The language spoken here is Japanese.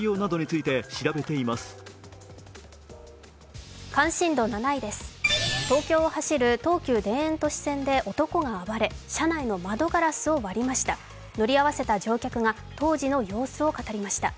関心度７位です、東京を走る東急田園都市線で男が暴れ車内の窓ガラスを割りました。